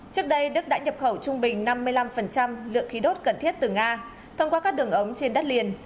trước đây đức đã nhập khẩu trung bình năm mươi năm lượng khí đốt cần thiết từ nga thông qua các đường ống trên đất liền